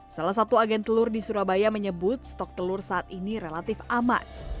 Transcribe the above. salah satu agen telur di surabaya menyebut stok telur saat ini relatif aman